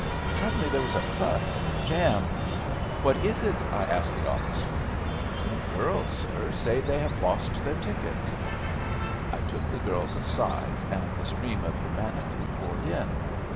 Suddenly there was a fuss and a jam. "What is it?" I asked the officer. "Two girls, sir, say they have lost their tickets." I took the girls aside and the stream of humanity poured in.